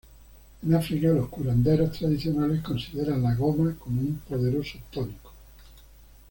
En África, los curanderos tradicionales consideran la goma como un poderoso tónico.